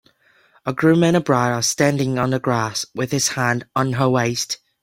A groom and a bride are standing on the grass with his hand on her waist.